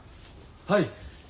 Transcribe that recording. はい。